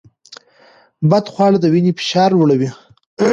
بدخواړه د وینې فشار لوړوي.